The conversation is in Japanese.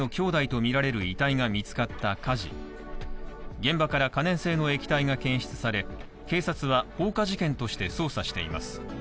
現場から可燃性の液体が検出され、警察は放火事件として捜査しています。